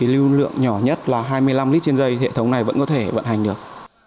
lưu lượng nhỏ nhất là hai mươi năm lít trên giây hệ thống này vẫn có thể vận hành được